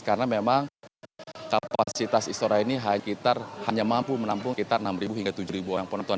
karena memang kapasitas istora ini hanya mampu menampung sekitar enam hingga tujuh penonton